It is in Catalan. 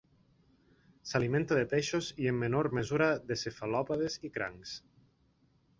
S'alimenta de peixos i en menor mesura de cefalòpodes i crancs.